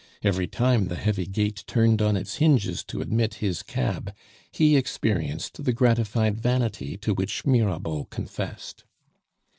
Every time the heavy gate turned on its hinges to admit his cab, he experienced the gratified vanity to which Mirabeau confessed.